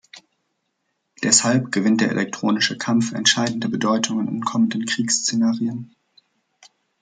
Deshalb gewinnt der elektronische Kampf entscheidende Bedeutung in kommenden Kriegs-Szenarien.